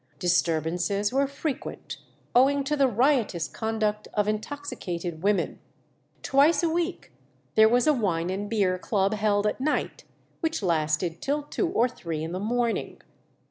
Disturbances were frequent, owing to the riotous conduct of intoxicated women. Twice a week there was a wine and beer club held at night, which lasted till two or three in the morning.